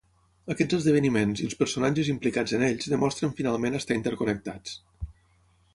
Aquests esdeveniments i els personatges implicats en ells demostren finalment estar interconnectats.